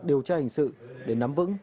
điều tra hình sự để nắm vững